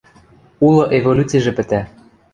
Улы эволюцижӹ пӹтӓ.